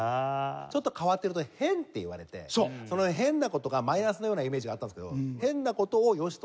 ちょっと変わってると変って言われてその変な事がマイナスなようなイメージがあったんですけど変な事を良しとして。